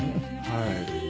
はい。